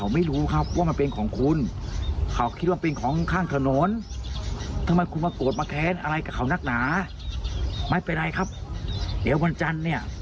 ไม่เป็นไรครับเดี๋ยววันจันทร์เนี้ย